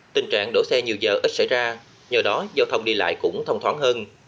tình trạng đổ xe nhiều giờ ít xảy ra nhờ đó giao thông đi lại cũng thông thoáng hơn